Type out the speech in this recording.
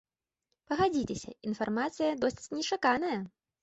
Пагадзіцеся, інфармацыя досыць нечаканая.